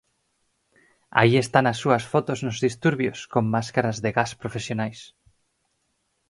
Aí están as súas fotos nos disturbios con máscaras de gas profesionais.